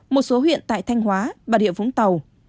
một số huyện tại thanh hóa bà rịa vũng tàu